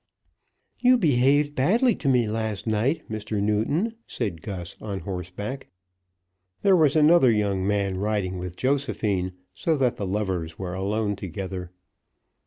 "You behaved badly to me last night, Mr. Newton," said Gus, on horseback. There was another young man riding with Josephine, so that the lovers were alone together.